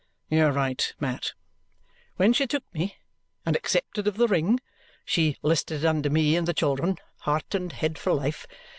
"You are right, Mat!" "When she took me and accepted of the ring she 'listed under me and the children heart and head, for life.